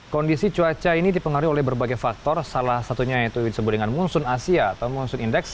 kondisi cuaca ini dipengaruhi oleh berbagai faktor salah satunya yaitu disebut dengan munsun asia atau munsun index